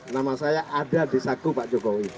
nama saya ada di saku pak jokowi